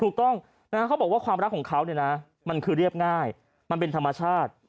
ถูกต้องเขาบอกว่าความรักของเขาเนี่ยนะมันคือเรียบง่ายมันเป็นธรรมชาติ